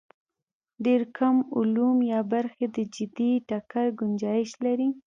ډېر کم علوم یا برخې د جدي ټکر ګنجایش لري.